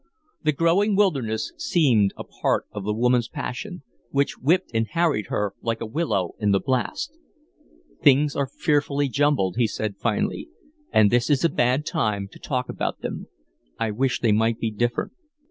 The growing wildness seemed a part of the woman's passion, which whipped and harried her like a willow in a blast. "Things are fearfully jumbled," he said, finally. "And this is a bad time to talk about them. I wish they might be different.